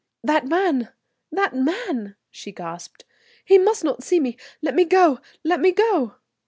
"That man! that man!" she gasped. "He must not see me; let me go, let me go!"